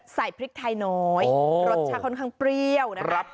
ใส่พริกไทยน้อยรสชาติค่อนข้างเปรี้ยวนะครับ